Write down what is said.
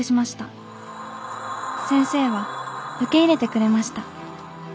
先生は受け入れてくれました。